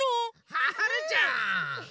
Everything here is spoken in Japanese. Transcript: はるちゃん。